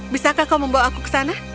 bisakah kau membawa aku ke sana